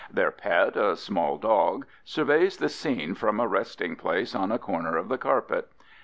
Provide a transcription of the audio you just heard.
Their pet, a small dog, surveys the scene from a resting place on a corner of the carpet.